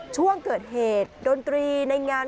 ช่วงเกิดเหตุดนตรีในงาน